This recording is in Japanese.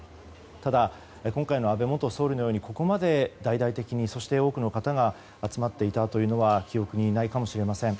ただ、今回の安倍元総理のようにここまで大々的にそして、多くの方が集まっていたというのは記憶にないかもしれません。